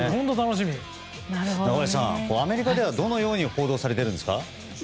中林さん、アメリカではどのように報道されているんですか？